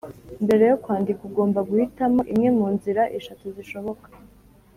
Mbere yo kwandika ugomba guhitamo imwe mu nzira eshatu zishoboka: